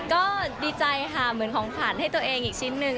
ก็ดีใจค่ะเหมือนของขวัญให้ตัวเองอีกชิ้นหนึ่ง